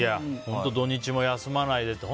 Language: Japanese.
土日も休まないでって